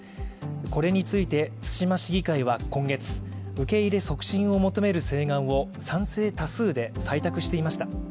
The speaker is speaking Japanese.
これについて対馬市議会は今月、受け入れ促進を求める請願を賛成多数で採択していました。